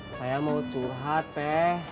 saya mau curhat be